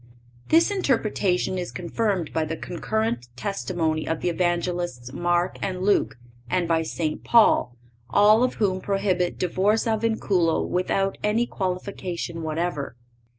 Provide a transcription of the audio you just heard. This interpretation is confirmed by the concurrent testimony of the Evangelists Mark and Luke and by St. Paul, all of whom prohibit divorce a vinculo without any qualification whatever.